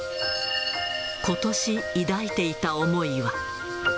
ことし、抱いていた思いは。